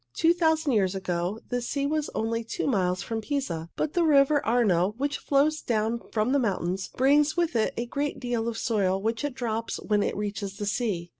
Two thousand years ago the sea was only two miles from Pisa, but the river Arno, which flows down from the mountains, brings with it a great deal of soil which it drops when it reaches the sea.